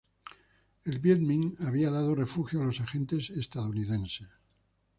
El Viet Minh había dado refugio a los agentes estadounidenses.